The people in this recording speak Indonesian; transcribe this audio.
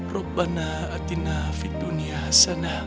rukbana atina fid dunia hasanah